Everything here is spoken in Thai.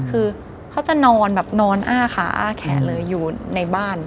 คือเขาจะนอนแบบนอนอ้าขาอ้าแขนเลยอยู่ในบ้าน